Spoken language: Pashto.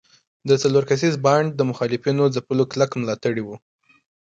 د څلور کسیز بانډ د مخالفینو ځپلو کلک ملاتړي وو.